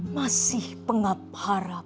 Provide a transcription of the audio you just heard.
masih pengab harap